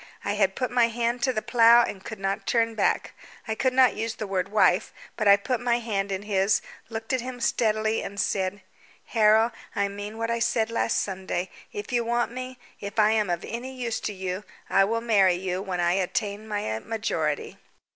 I had put my hand to the plough and could not turn back. I could not use the word wife, but I put my hand in his, looked at him steadily, and said "Harold. I meant what I said last Sunday. If you want me if I am of any use to you I will marry you when I attain my majority."